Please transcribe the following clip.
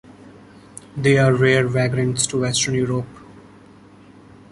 They are rare vagrants to western Europe.